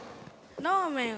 ラーメン。